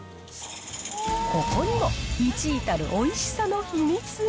ここにも１位たるおいしさの秘密が。